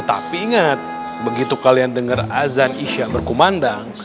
tapi ingat begitu kalian dengar azan isya berkumandang